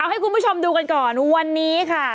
ให้คุณผู้ชมดูกันก่อนวันนี้ค่ะ